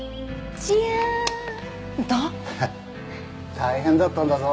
大変だったんだぞ。